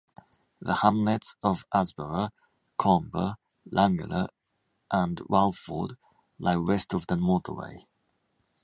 The hamlets of Adsborough, Coombe, Langaller, and Walford lie west of the motorway.